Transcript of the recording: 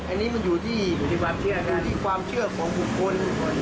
อันนี้มันอยู่ที่ความเชื่อของบุคคล